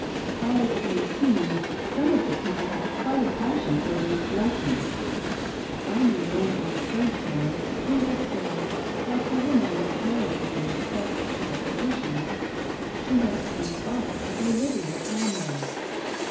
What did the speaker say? I Odd as it may seem, some of the people have quite a passion for these " blessings." I knew one old Frenchwoman who was said, like the woman in the parable, in respect to the physi cians, to have " spent all of her living upon them."